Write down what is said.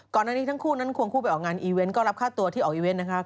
ก่อนหน้านี้ทั้งคู่นั้นควงคู่ไปออกงานอีเวนต์ก็รับค่าตัวที่ออกอีเวนต์นะคะ